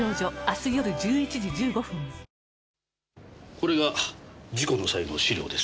これが事故の際の資料です。